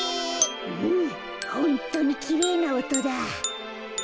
うんホントにきれいなおとだ。